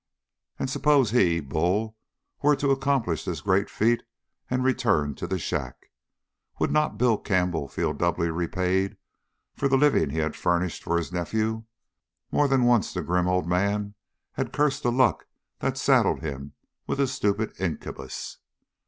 And suppose he, Bull, were to accomplish this great feat and return to the shack? Would not Bill Campbell feel doubly repaid for the living he had furnished for his nephew? More than once the grim old man had cursed the luck that saddled him with a stupid incubus.